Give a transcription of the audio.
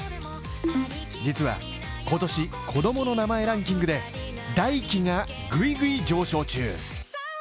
実は今年、子供の名前ランキングで大輝がグイグイ上昇中。